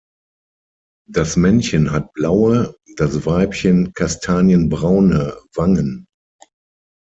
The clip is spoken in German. Das Männchen hat blaue, das Weibchen kastanienbraune Wangen.